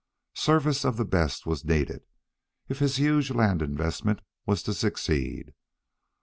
Service of the best was needed, if his huge land investment was to succeed.